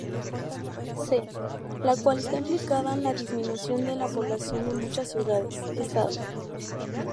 C, la cual está implicada en la disminución de la población de muchas ciudades-estado.